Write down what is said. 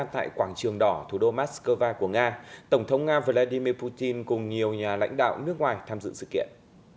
tại quảng trường đỏ thủ đô moscow của nga tổng thống nga vladimir putin cùng nhiều nhà lãnh đạo nước ngoài tham dự sự kiện